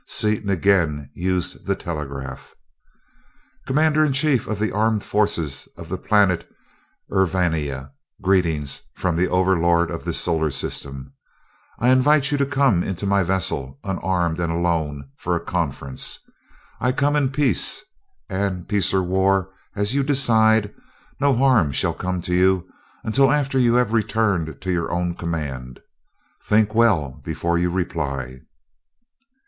Seaton again used the telegraph. "Commander in Chief of the armed forces of the planet Urvania; greetings from the Overlord of this solar system. I invite you to come into my vessel, unarmed and alone, for a conference. I come in peace and, peace or war as you decide, no harm shall come to you, until after you have returned to your own command. Think well before you reply."